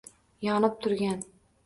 Yonib turgan